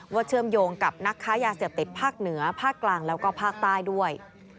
เชื่อมโยงกับนักค้ายาเสพติดภาคเหนือภาคกลางแล้วก็ภาคใต้ด้วย